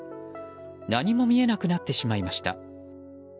何も見えなくなってしまいました。